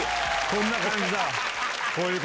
こんな感じ。